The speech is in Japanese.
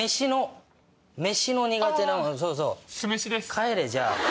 帰れじゃあ。